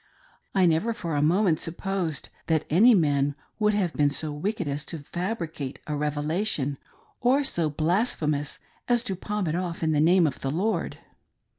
I never for a moment supposed that any man would have been so wicked as to fabricate a " Reve lation," or so blasphemous as to palm it off in the name of the Lord.